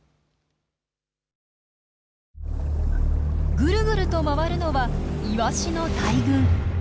グルグルと回るのはイワシの大群。